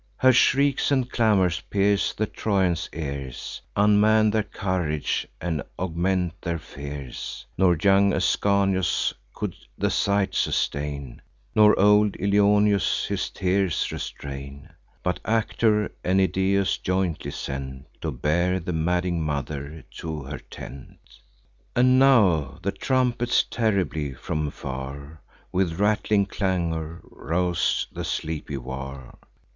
Her shrieks and clamours pierce the Trojans' ears, Unman their courage, and augment their fears; Nor young Ascanius could the sight sustain, Nor old Ilioneus his tears restrain, But Actor and Idaeus jointly sent, To bear the madding mother to her tent. And now the trumpets terribly, from far, With rattling clangour, rouse the sleepy war.